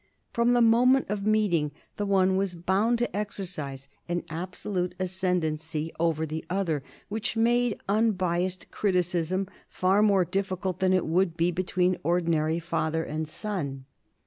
From the moment of meeting the one was bound to exercise an absolute ascendency over the other which made unbiassed criticism far more difficult than it would be between ordinary father and son.